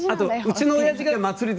あと、うちのおやじが祭り